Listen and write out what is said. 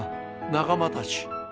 仲間たち！